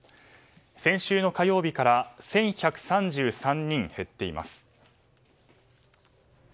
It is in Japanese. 先週の火曜日から１１３３人減っています。